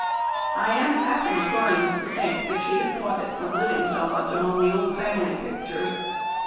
I am half inclined to think that she has caught it from living so much among the old family pictures.